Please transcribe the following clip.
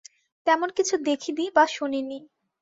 তেমন কিছু দেখি দি বা শুনি নি।